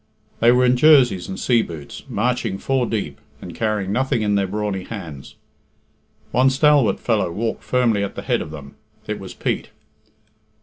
They were in jerseys and sea boots, marching four deep, and carrying nothing in their brawny hands. One stalwart fellow walked firmly at the head of them.. It was Pete.